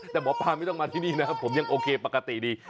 แต่หมอปลาไม่ต้องมาที่นี่นะผมยังโอเคปกติดี